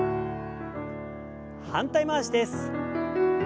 反対回しです。